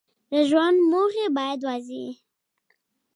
د ژوند موخې باید واضح وي.